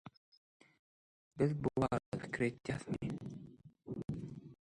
Biz bu barada pikir edýäsmi?